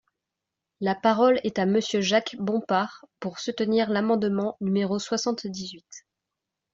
La parole est à Monsieur Jacques Bompard, pour soutenir l’amendement numéro soixante-dix-huit.